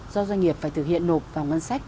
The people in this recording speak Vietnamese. do doanh nghiệp phải thực hiện nộp vào ngân sách